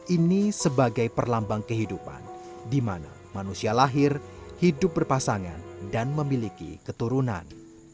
ini sebagai perlambang kehidupan di mana manusia lahir hidup berpasangan dan memiliki keturunan